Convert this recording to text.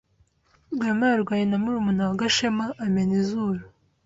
Rwema yarwanye na murumuna wa Gashema amena izuru.